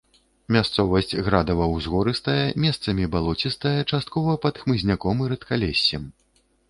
Мясцовасць градава-ўзгорыстая, месцамі балоцістая, часткова пад хмызняком і рэдкалессем.